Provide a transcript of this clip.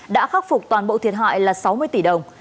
đã khắc phục toàn bộ thiệt hại là sáu mươi tỷ đồng